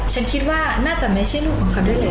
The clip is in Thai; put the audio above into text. ฉันคิดว่าน่าจะไม่ใช่ลูกของเขาได้เลย